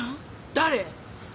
誰？